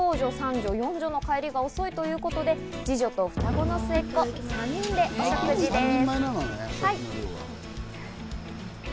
この日は長女、三女、四女の帰りが遅いということで、二女と双子の末っ子の３人で、食事です。